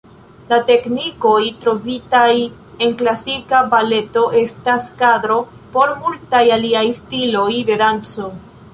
La teknikoj trovitaj en klasika baleto estas kadro por multaj aliaj stiloj de danco.